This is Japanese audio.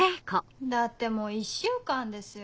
だってもう１週間ですよ。